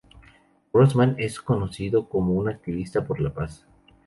Grossman es conocido como un activista por la paz.